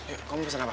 yuk kamu pesen apa